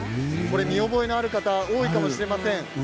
見覚えがある方多いかもしれません。